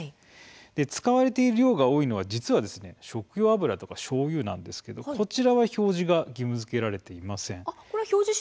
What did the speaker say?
使われている量が多いのは実は食用油とか、しょうゆなんですけれど、こちら表示が義務づけられていません。